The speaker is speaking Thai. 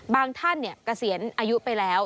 บางท่านเนี่ยเกษียณอายุไปแล้ว